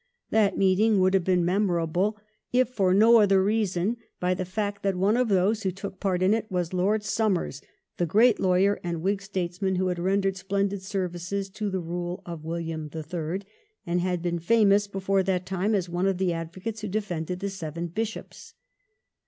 That meeting would have 366 THE REIGN OF QUEEN ANNE. ch. xxxviii. been made memorable, if for no other reason, by the fact that one of those who took part in it was Lord Somers, the great lawyer and Whig statesman who had rendered splendid services to the rule of William the Third, and had been famous before that time as one of the advocates who defended the Seven Bishops.